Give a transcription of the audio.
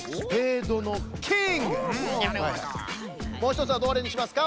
もうひとつはどれにしますか？